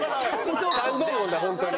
チャン・ドンゴンだ本当に。